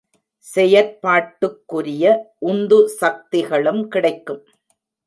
செயற்பாட்டுக்குரிய உந்து சக்திகளும் கிடைக்கும்.